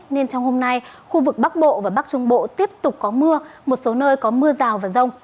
nên trong hôm nay khu vực bắc bộ và bắc trung bộ tiếp tục có mưa một số nơi có mưa rào và rông